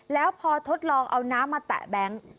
แล้วพอทดลองเอาน้ำมาแตะแบงค์